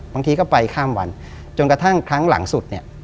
บางทีก็ไปข้ามวันจนกระทั่งครั้งหลังสุดเนี่ย